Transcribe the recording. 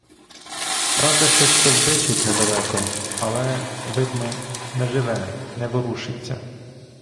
Правда, щось стовбичить недалеко, але, видно, неживе, не ворушиться.